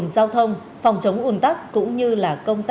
để cha buồn đau lặng